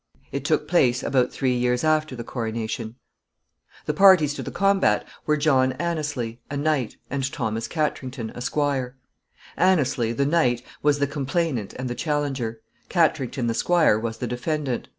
It took place about three years after the coronation. [Sidenote: The parties.] The parties to the combat were John Anneslie, a knight, and Thomas Katrington, a squire. Anneslie, the knight, was the complainant and the challenger. Katrington, the squire, was the defendant.